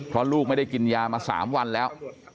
เพราะลูกไม่ได้กินยามา๓วันแล้ว